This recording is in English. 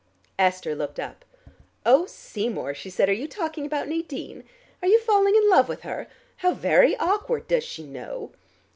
Esther looked up. "Oh, Seymour," she said, "are you talking about Nadine? Are you falling in love with her? How very awkward! Does she know?"